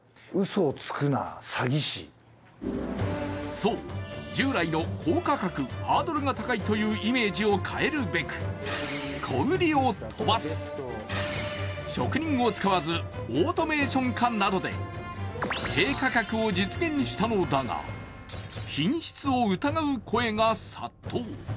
そう、従来の高価格、ハードルが高いというイメージを変えるべく小売りを飛ばす、職人を使わずオートメーション化などで低価格を実現したのだが品質を疑う声が殺到。